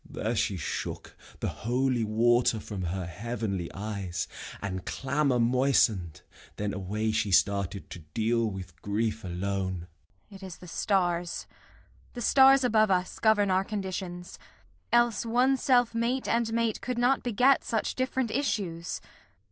There she shook The holy water from her heavenly eyes, And clamour moisten'd. Then away she started To deal with grief alone. Kent. It is the stars, The stars above us, govern our conditions; Else one self mate and mate could not beget Such different issues.